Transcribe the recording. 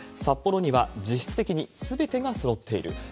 札幌には実質的にすべてがそろっている。